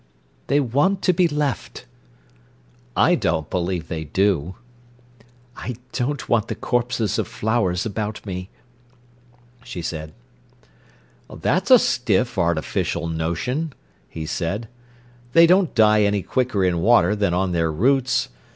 "They want to be left." "I don't believe they do." "I don't want the corpses of flowers about me," she said. "That's a stiff, artificial notion," he said. "They don't die any quicker in water than on their roots.